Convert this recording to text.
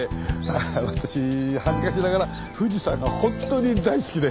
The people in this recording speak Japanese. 私恥ずかしながら富士山が本当に大好きで。